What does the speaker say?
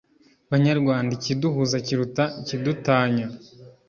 banyarwanda ikiduhuza kiruta ikidutanya